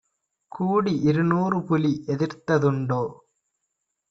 கூடிஇரு நூறுபுலி எதிர்த்த துண்டோ?